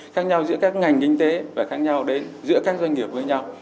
khác nhau giữa các ngành kinh tế và khác nhau giữa các doanh nghiệp với nhau